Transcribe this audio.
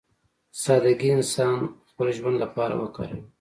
سادهګي انسان خپل ژوند لپاره وکاروي.